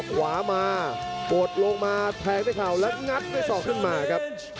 ขวามาปวดลงมาแทงได้ข่าวแล้วงัดด้วยสอกขึ้นมาครับ